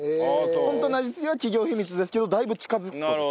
ホントの味付けは企業秘密ですけどだいぶ近づくそうです。